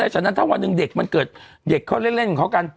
ฉะนั้นถ้าวันหนึ่งเด็กมันเกิดเด็กเขาเล่นของเขากัน